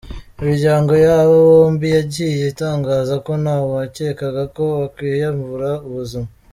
Imiryango y’aba bombi yagiye itangaza ko nta wakekaga ko bakwiyambura ubuzima.